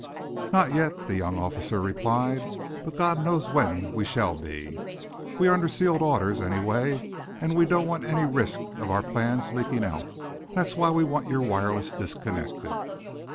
"Not yet," the young officer replied, "but God knows when we shall be! We are under sealed orders, anyway, and we don't want any risk of our plans leaking out. That's why we want your wireless disconnected."